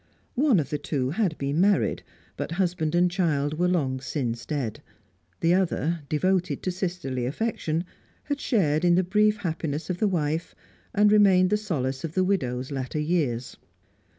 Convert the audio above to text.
One of the two had been married, but husband and child were long since dead; the other, devoted to sisterly affection, had shared in the brief happiness of the wife and remained the solace of the widow's latter years.